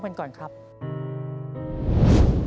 ชื่อนางหยาดฝนงามสกุลภูมิสุขอายุ๕๔ปี